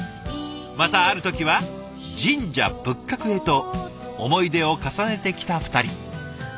またある時は神社仏閣へと思い出を重ねてきた２人。